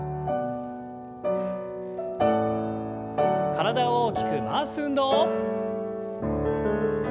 体を大きく回す運動。